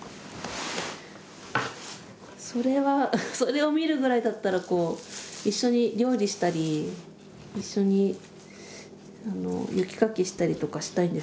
それはそれを見るぐらいだったら一緒に料理したり一緒に雪かきしたりとかしたいんですけど。